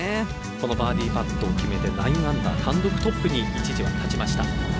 このバーディーパットを決めて９アンダー単独トップに一時は立ちました。